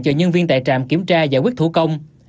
cho nhân viên tại trạm kiểm tra giải quyết thủ công